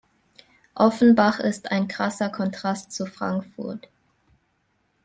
Offenbach ist ein krasser Kontrast zu Frankfurt.